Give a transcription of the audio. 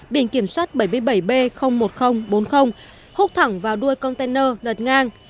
biển kiểm soát bảy mươi bảy b một nghìn bốn mươi hút thẳng vào đuôi container lật ngang